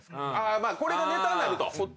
これがネタになると。